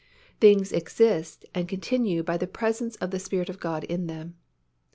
Things exist and continue by the presence of the Spirit of God in them.